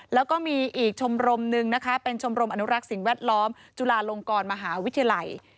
แล้วก็มีอีกชมรมนึงนะคะเป็นชมรมอนุรักษ์สิ่งแวดล้อมจุฬาลงกรมหาวิทยาลัย